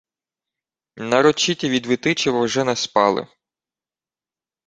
Нарочиті від Витичева вже не спали.